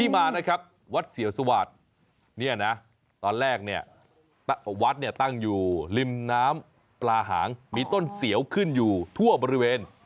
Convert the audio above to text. เมล็ดของต้นสีอำแห่วขึ้นอยู่ทั่วบริเวน